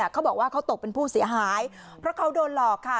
เขาบอกว่าเขาตกเป็นผู้เสียหายเพราะเขาโดนหลอกค่ะ